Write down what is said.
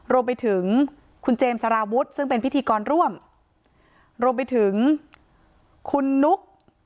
รวมไปถึงคุณเจมส์สารวุฒิซึ่งเป็นพิธีกรร่วมรวมไปถึงคุณนุ๊ก